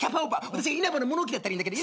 私がイナバの物置だったらいいんだけど。